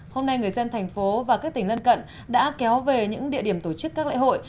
hôm nay người dân thành phố và các tỉnh lân cận đã kéo về những địa điểm tổ chức các lễ hội